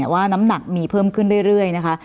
ว่าน้ำหนักมีเพิ่มขึ้นเรื่อยนะคะ